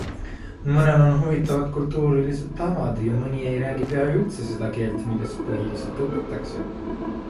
Mõnel on huvitavad kultuurilised tavad ja mõni ei räägi pea üldse seda keelt, milles põhiliselt õpitakse.